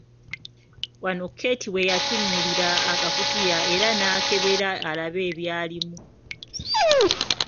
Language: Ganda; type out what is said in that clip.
Wano Keeti we yatunuulira akakutiya era n'akebera alabe ebyalimu.